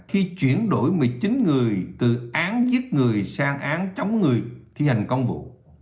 khi chuyển đổi một mươi chín người từ án giết người sang án chống người thi hành công vụ